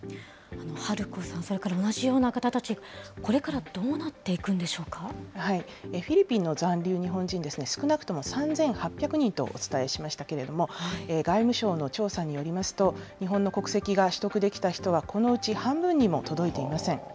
ハルコさん、それから同じような方たち、これからどうなってフィリピンの残留日本人ですね、少なくとも３８００人とお伝えしましたけれども、外務省の調査によりますと、日本の国籍が取得できた人は、このうち半分にも届いていません。